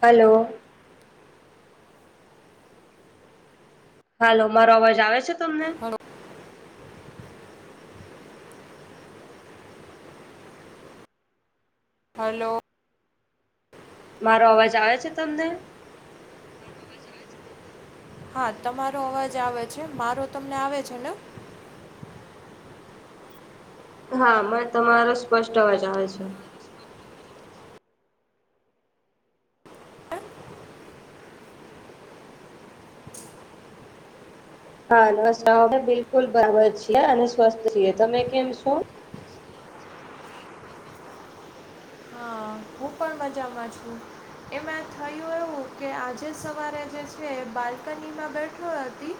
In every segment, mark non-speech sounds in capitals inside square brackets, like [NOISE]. Hello. Hello મારો અવાજ આવે છે તમને? Hello hello. મારો અવાજ આવે છે તમને હા તમારો અવાજ આવે છે મારો તમને આવે છે ને હા મને તમારો સ્પષ્ટ અવાજ આવે છે હા નમસ્કાર અમે બિલકુલ બરાબર છીએ અને સ્વસ્થ છીએ તમે કેમ છો હા ખબ પણ મજામાં છું એમાં થયું એવું કે આજે સવારે જે છે બાલ્કનીમાં બેઠો હતી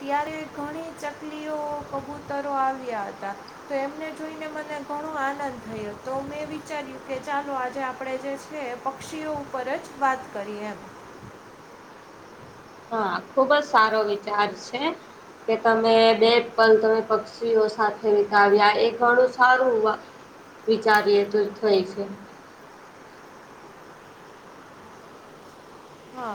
ત્યારે ઘણી ચકલીઓ કબૂતરો આવ્યા હતા તો એમને જોઈને મને ઘણો આનંદ થયો તો મેં વિચાર્યું કે ચાલો આજે આપ આપણે જે છે પક્ષીઓ ઉપર જ વાત કરીએ એમ હા ખુબ જ સારો વિચાર છે કે તમે બે પલ તમે પક્ષીઓ સાથે વિતાવ્યા એ ઘણું સારું હોવા વિચારીએ તો થઈ છે હા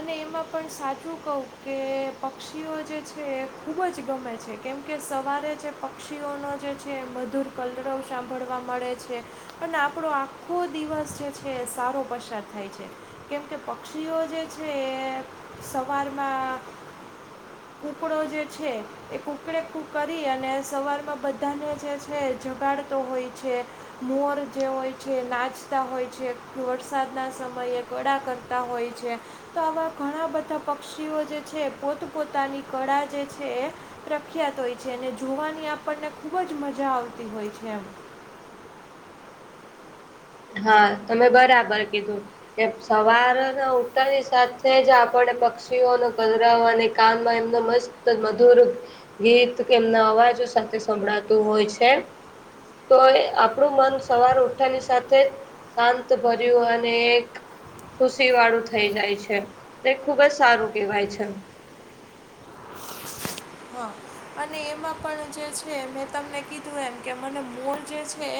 અને એમાં પણ સાચું કહું કે પક્ષીઓ જે છે એ ખૂબ જ ગમે છે કેમકે સવારે જે પક્ષીઓનો જે છે મધુર કલરો સાંભળવા મળે છે અને આપડો આખો દિવસ જે છે સારો પસાર થાય છે કેમ કે પક્ષીઓ જે છે સવારમાં [UNINTELLIGIBLE] કુકડો જે છે એ કુકડે કૂક કરી અને સવારમાં બધાને જે છે જગાડ તો હોય છે મોર જે હોય છે નાચતા હોય છે વરસાદના સમયે કળા કરતા તા હોય છે તો આવા ઘણા બધા પક્ષીઓ જે છે પોત પોોતાની કળા જે છે એ પ્રખ્યાત હોય છે અને જોવાની આપણને ખુબ જ મજા આવતી હોય છે એમ હા તમે બરાબર કીધું કે સવારના ઉઠાની સાથે જ આપણે પક્ષીઓનો કદરાવ અને કાનમાં એમનો મસ્ત મધુર ગીત કે એમના અવાજો સાથે સંભળાતું હોય છે તો આપણું મન સવાર ઉઠાની સાથે શાંત ભર્યું અને એક ખુશી વાળું થઈ જાય છે તે ખુબ જ સારું કહેવાય છે હા અને એમાં પણ જે છે મેં તમને કીધું એમ કે મને મોલ જે છે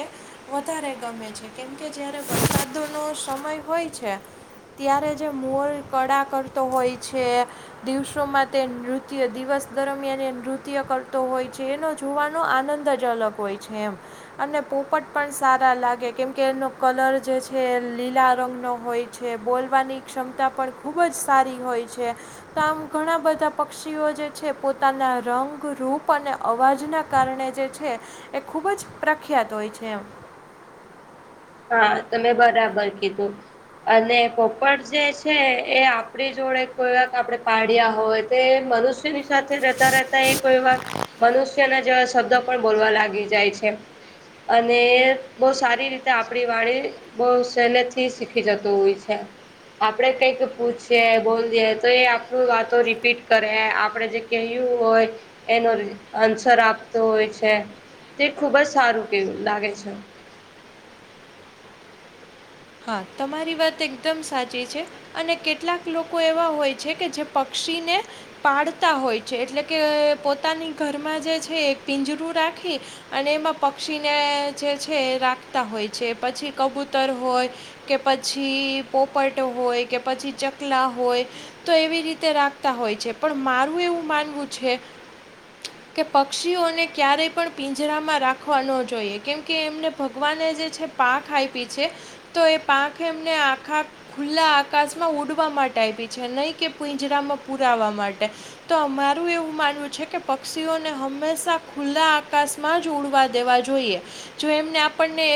વધારે ગમે છે કેમકે જારે વરસાદ નો સમય હોય છે ત્યારે જે મોર કળા કરતો હોય છે દિવસોમાં તે નૃત્ય દિવસ દરમિયાન એ નૃત્ય કરતો હોય છે એનો જોવાનો આનંદ જ અલગ હોય છે એમ અને પોપટ પણ સારા લાગે કેમકે એનો કલર જે છે એ લીલા રંગ નો હોય છે બોલવાની ક્ષમતા પણ ખૂબ જ સારી હોય છે તો આમ ઘણા બધા પક્ષીઓ જે છે પોતાના રંગરૂૂપ અને અવાજના કારણે જે છે એ ખૂબ જ પ્રખ્યાત હોય છે એમ હા તમે બરાબર કીધું અને પોપર જે છે એ આપણી જોડે કોઈ વાક આપણે પાડ્યા હોત તે મનુષ્યની સાથે રહેતા રહેતા એ કોઈ વાર મનુષ્યના જેવા શબ્દો પણ બોલવા લાગી જાય છે અને બહુ સારી રીતે આપણી વાણી બહ સહેલે થી શીખી જતું હોય છે આપડે કઈક પૂછીએ બોલીએ તો એ આપણું વાતો રીપીટ કરે આપડે જે કયું હોય એનો આન્સર આપતો હોય છે તે ખુબ જ સારું કે લાગે છે હા તમારી વાત એકદમ સાચી છે અને કેટલાક લોકો એવા હોય છે કે જે પક્ષીને. પાળતા હોય છે એટલે કે પોતાની ઘરમાં જે છે એ પિંજરું રાખી. અને એમાં પક્ષીને જે છે રાખતા હોય છે પછી કબૂતર હોય. કે પછી પોપટ હોય કે પછી ચકલા હોય તો એવી રીતે રાખતા હોય છે પણ મારું એવું માનવું છે કે પક્ષીઓને ક્યારે પણ પીંજરામાં રાખવા ન જોઈએ કેમ કે એમને ભગવાને જે છે પાંખ આઈપી છે તો એ પાંખ એમને આખા ખુલ્લા આકાશમાં ઉડવા માટે આયપી છે નહીં કે પીંજરામાં પુરાવા માટે તો અમારું એવું માનવું છે કે પક્ષીઓને હંમેશા ખુલ્લા આકાશ માં જ ઉડવા દેવા જોઈએ જો એમને આપણને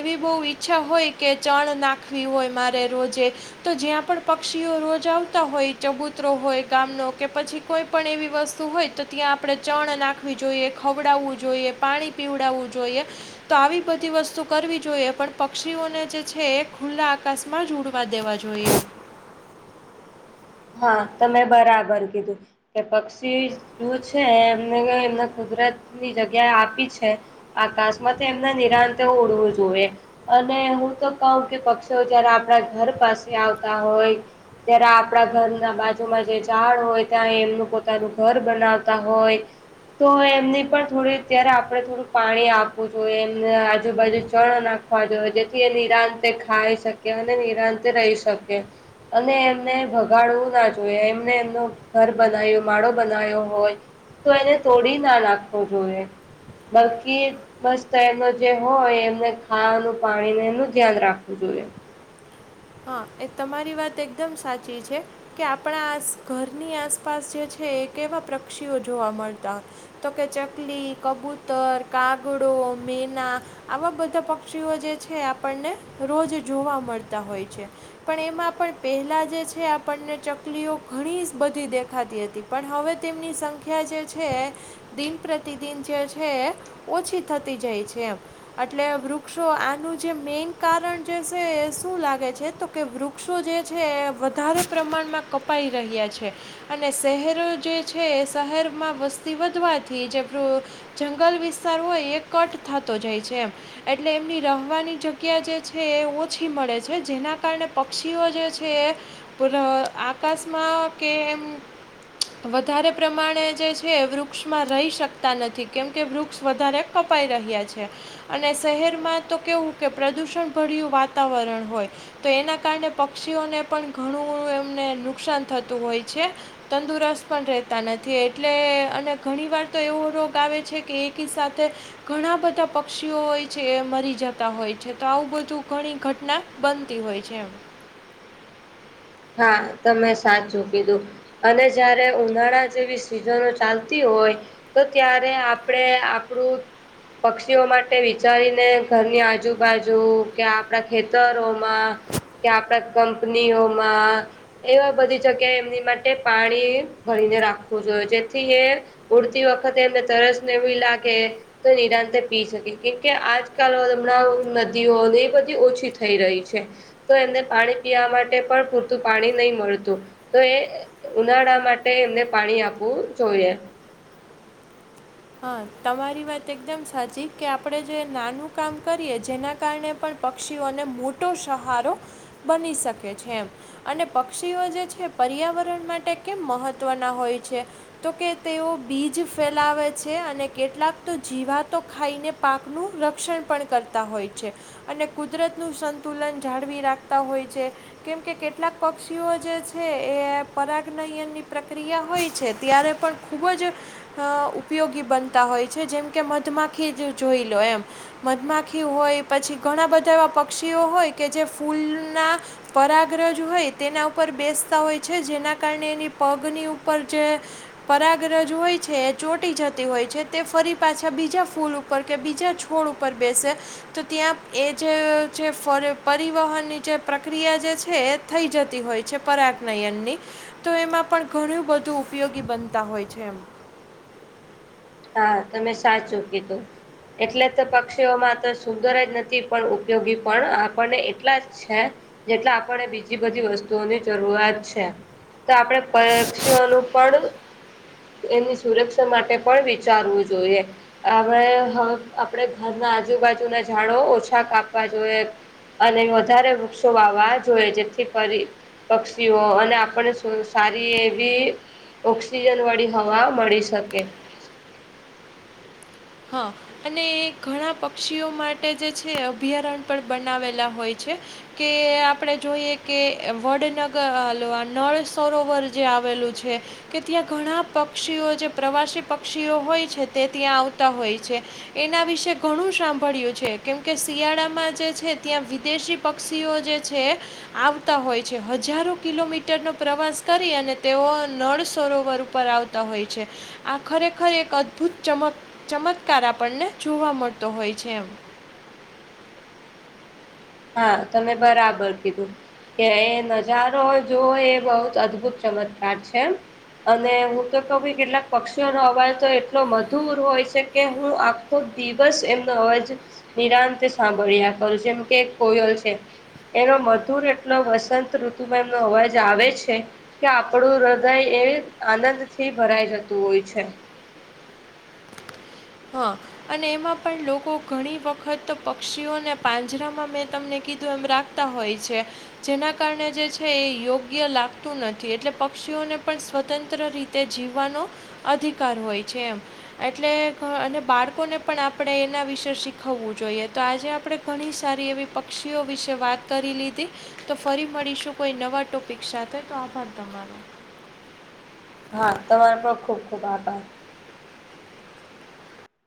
એવી બહુ ઈચ્છા હોય કે ચણ નાખવી હોય મારે રોજે તો જ્યાં પણ પક્ષીઓ રોજ આવતા હોય ચબુતરો હોય ગામનો કે પછી કોઈ પણ એવી વસ્તુ હોય તો ત્યાં આપણે ચણ નાખવી જોઈએ ખવડાવવું જોઈએ પાણી પીવડાવવું જોઈએ તો આવી બધી વસ્તુ કરવી જોઈએ પણ પક્ષીઓને છે એ ખુલ્લા આકાશમાં જ ઉડવા દેવા જોઈએ હા તમે બરાબર કીધું. કે પક્ષી જો છે એમને એમને કુદરતની જગ્યાએ આપી છે. આકાશમાંથી એમના નિરાંત ઓળવું જોઈએ. અને હું તો કહુ કે પક્ષી જયારે આપણા ઘર પાસે આવતા હોય. ત્યાર આપ આપણા ઘરના બાજુમાં જે ઝાડ હોય ત્યાં એમનું પોતાનું ઘર બનાવતા હોય. તો એમની પણ થોડી અત્યારે આપડણે થોડું પાણી આપવું જોઈએ એમને આજુબાજુ ચણ નાખ. વા જોયે જેથી એ નિરાંતે ખાઈ શકે અને નિરાંતે રહી શકે. અને એમને ભ. ગાડવું ના જોઈએ એમને એમનો ઘર બનાવ્યું માળો બનાવ્યો હોય. તો એને તોડી ના નાખવો જોઈએ બલકી. મસ્ત એનું જે હોય એમને ખાવાનું પાણીને એનું ધ્યાન રાખવું જોઈએ. હા એ તમારી વાત એકદમ સાચી છે. કે આપણા આસ ઘરની આસપાસ જે છે એ કેવા પક્ષીઓ જોવા મળતા. તો કે ચકલી કબૂતર કાગડો મેના. આવા બધા પક્ષીઓ જે છે આપણને રોજ જોવા મળતા હોય છે. પણ એમાં પણ પહેલાં જે છે આપણને ચકલીઓ ઘણી બધી દેખાતી હતી. પણ હવે તેમની સંખ્યા જે છે. દિન પ્રતિદિન જે છે ઓછી થતી જાય છે એમ. એટલે વૃક્ષો આનું જે મેન કારણ જે છે શું લાગે છે. જે તો કે વૃક્ષો જે છે એ વધારે પ્રમાણમાં કપાઈ રહ્યા છે અને શહેરો જે છે શહેરમાં વસ્તી વધવાથી જે. જંગલ વિસ્તાર હોય એ કટ થતો જાય છે એમ. એટલે એમની રહેવાની જગ્યા જે છે એ ઓછી મળે છે જેના. કારણે પક્ષીઓ જે છે આકાશમાં કે એમ. વધારે પ્રમાણે જે છે એ વૃક્ષમાં રહી શકતા નથી કેમ કે વૃક્ષ વધારે. કપાઈ રહ્યા છે. અને શહેરમાં તો કેવું કે પ્રદુષણ ભરય્યું વાતાવરણ હોય. તો એના કારણે પક્ષીઓને પણ ઘણું એમને નુકસાન થતું હોય છે. તંદુરસ્ત પણ રહેતા નથી એટલે અને ઘણી વાર તો એવો રોગ આવે છે કે એકી સાથે. ઘણા બધા પક્ષીઓ હોય છે એ મરી જતા હોય છે તો આવું બધું ઘણી ઘટના બન. અ હોય છે. હા તમે સાચું કીદું. અને જયારે ઉનાળા જેવી સિઝનો ચાલતી હોય. તો ત્યારે આપણેે આપણું. પક્ષીઓ માટે વિચારીને ઘરની આજુબાજુ કે આપણા ખેતરોમાં. કે આપડા કંપનીઓમાં એવા બધી જગ્યાએ એમની માટે પાણી ભરીને રાખવું જોઈએ જેથી એ ઉડતી વખતે એમને તરસ ને એવી લાગે. તો નિરાંત પી શકે કેમકે આજકાલ હમણાં નદીઓ એ બધી ઓછી થઈ રહી છે. તો એમને પાણી પીવા માટે પણ પૂરતું પાણી નહી મળતું તો એ ઉનાળા માટે એમને પાણી આપવું જોઈએ. હા તમારી વાત એકદમ સાચી કે આપણે જો નાનું કામ કરીએ જેના કારણે. પણ પક્ષીઓને મોટો સહારો બની શકે છે એ. અને પક્ષીઓ જે છે પર્યાવરણ માટે કેમ મહત્વના હોય છે તો કે તેઓ બીજ ફેલાવે. છે અને કેટલાક તો જીવાતો ખાઈને પાકનું રક્ષણ પણ કરતા હોય છે. અને કુદરત નું સંતુલન જાળવી રાખતા હોય છે. કેમ કે કેટલાક પક્ષીઓ જે છે એ પરાગનયન ની પ્રક્રિયા હોય છે ત્યારે પણ. ખૂબ જ ઉપયોગી બનતા હોય છે જેમ કે મધમાખી જ જોઈ લો એમ મધમાખી હોય પછી ઘણા બધા એવા પક્ષીઓ હોય કે જે ફૂલના પરાગ્રજ હોય તેના ઉપર બેસતા હોય છે જેના કારણે એની પગની ઉપર જે પરાગ્રજ હોય છે ચોટ પટી જતી હોય છે તે ફરી પાછા બીજા ફૂલ ઉપર કે બીજા છોડ ઉપર બેસે તો ત્યાં એ જે પરિવહનની જે પ્રક્રિયા જે છે થઈ જતી હોય છે પરાજનયનની તો એમાં પણ ઘણું બધું ઉપયોગી બનતા હોય છે એમ હા તમે સાચું કીધું એટલે તો પક્ષીઓમાં તો સુંદર જ નથી પણ ઉપયોગી પણ આપણને એટલા જ છે જેટલે આપણે બીજી બધી વસ્તુઓની જરૂરિયાત છે તો આપણે પક્ષીઓનું પણ એની સુરક્ષા માટે પણ વિચારવું જોઈએ આપણેવે આપણે ઘરના આજુબાજુને ઝાડો ઓછા કાપવા જોઈએ અને વધારે વૃક્ષો વા વા જોઈએ જેથી કરી પક્ષીઓ અને આપને સારી એવી ઓક્સિજન વાળી હવા મળી શકે હા અને એ ઘણા પક્ષીઓ માટે જે છે અભયારણ્ય પણ બનાવેલા હોય છે કે આપણે જોઈએ કે વડનગર નળ સરોવર જે આવેલું છે કે ત્યાં ઘણા પક્ષીઓ જે પ્રવાસી પક્ષીઓ હોય છે તે ત્યાં આવતા હોય છે એના વિશે ઘણું સાંભળ્યું છે કેમકે શિયાળામાં જે છે ત્યાં વિદેશી પક્ષીઓ જે છે આવતા હોય છે હજારો કિલોમીટરનોો પ્રવાસ કરી અને તેઓ નળ સરોવર ઉપર આવતા હોય છે આ ખરેખર એક અદભુત ચમક ચમત્કાર આપણને જોવા મળતો હોય છે એમ હા તમે બરાબર કીધું કે એ નજારો જોવો એ બહુ જ અદ્ભુત ચમત્કાર છે અને હું તો કહ કેટલાક પક્ષીઓનો અવાજ તો એટલો મધુર હોય છે કે હું ખબ દિવસ એમનો અવાજ નિરાંત સાંભળ્યા કર જેમ કે કોયલ છે. એનો મધુર એટલો વસંત ઋતુમાં એમનો અવાજ આવે છે. કે આપણું હૃદય એ આનંદ થી ભરાય જતું હોય છે. હા. અને એમાં પણ લોકો ઘણી વખત પક્ષીઓને પાંજરામાં મેં તમને કીધું એમ રાખ તા હોય છે. જેના કારણે જે છે એ યોગ્ય લાગતું નથી એટલે પક્ષીઓને પણ સ્વતંત્ર રીતે તે જીવવાનો, અધિકાર હોય છે એમ એટલે અને બાળકોને પણ આપણે એના વિશે શીખવવું જોઈએ તો આજે આપણે ઘણી સારી એવી પક્ષીઓ વિશે વાત કરી લીધી. તો ફરી મળીશું કોઈ નવા ટોપિક સાથે તો આભાર તમારો. હા તમારો પણ ખુબ ખુબ આભાર.